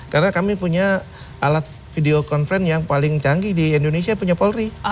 karena kami punya alat video conference yang paling canggih di indonesia punya polri